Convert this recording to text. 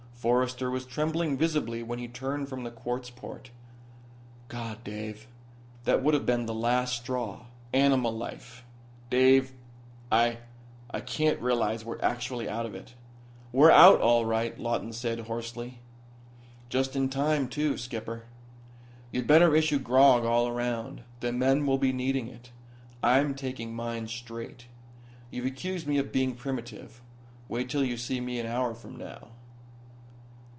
Forrester was trembling visibly when he turned from the quartz port. "God, Dave, that would have been the last straw. Animal life. Dave, I I can't realize we're actually out of it." "We're out, all right," Lawton said, hoarsely. "Just in time, too. Skipper, you'd better issue grog all around. The men will be needing it. I'm taking mine straight. You've accused me of being primitive. Wait till you see me an hour from now."